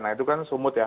nah itu kan sumut ya